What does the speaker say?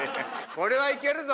これはいけるぞ！